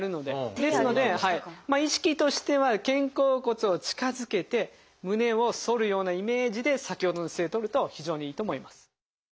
ですので意識としては肩甲骨を近づけて胸を反るようなイメージで先ほどの姿勢とると非常にいいと思います。